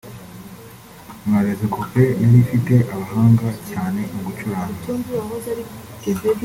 nka ‘Les Copins’ yari ifite abahanga cyane mu gucuranga